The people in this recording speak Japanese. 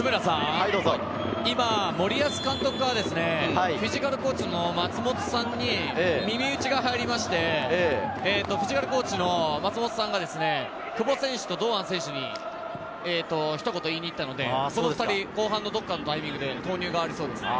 今、森保監督はフィジカルコーチの松本さんに耳打ちが入りまして、フィジカルコーチの松本さんが久保選手と堂安選手にひとこと言いに行ったので、この２人、後半のどこかのタイミングで投入がありそうです。